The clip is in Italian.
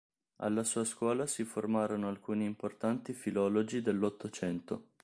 Alla sua scuola si formarono alcuni importanti filologi dell'Ottocento.